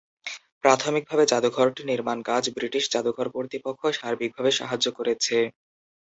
প্রাথমিকভাবে জাদুঘরটি নির্মাণকাজ ব্রিটিশ জাদুঘর কর্তৃপক্ষ সার্বিকভাবে সাহায্য করছে।